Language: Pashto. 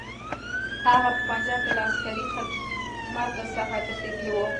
هغه په پنجاب کې له عسکري خدمت څخه تښتېدلی وو.